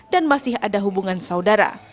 dan masih ada hubungan saudara